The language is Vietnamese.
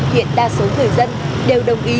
hiện đa số người dân đều đồng ý